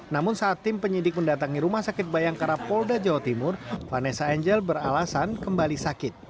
namun saat tim penyidik mendatangi rumah sakit bayangkara polda jawa timur vanessa angel beralasan kembali sakit